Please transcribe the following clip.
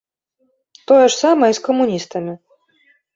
Тое ж самае і з камуністамі.